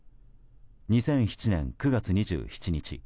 ２００７年９月２７日。